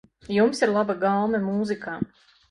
Jums ir laba gaume mūzikā.